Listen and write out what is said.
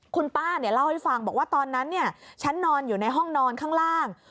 คุณป้าเล่าให้ฟังบอกว่าตอนนั้นฉันนอนอยู่ในห้องนอนข้างล่าง